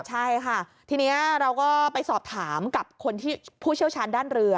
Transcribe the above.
ใช่ค่ะทีนี้เราก็ไปสอบถามกับคนที่ผู้เชี่ยวชาญด้านเรือ